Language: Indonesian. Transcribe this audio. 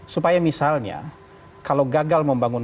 supaya misalnya kalau gagal membangun